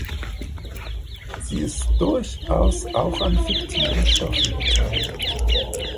Sie ist durchaus auch an fiktiven Stoffen beteiligt.